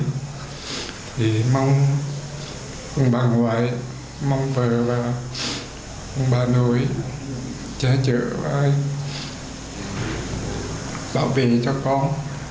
thì mong bà ngoại mong vợ và bà nội trả trợ và bảo vệ cho con